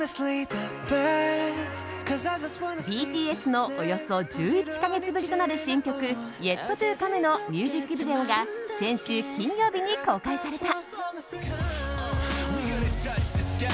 ＢＴＳのおよそ１１か月ぶりとなる新曲「ＹｅｔＴｏＣｏｍｅ」のミュージックビデオが先週金曜日に公開された。